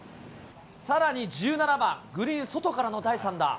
さらに１７番、グリーン外からの第３打。